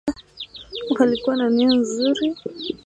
walikuwa na nia nzuri